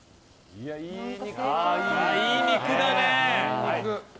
いい肉だね！